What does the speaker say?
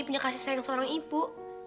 punya kasih sayang seorang ibu